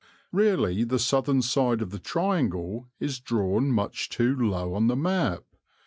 Really the southern side of the triangle is drawn much too low on the map.